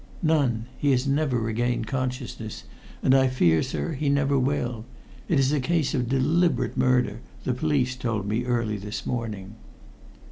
"None. He has never regained consciousness, and I fear, sir, he never will. It is a case of deliberate murder, the police told me early this morning."